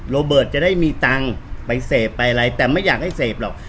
โรเบิร์ตจะได้มีตังค์ไปเสพไปอะไรแต่ไม่อยากให้เสพหรอก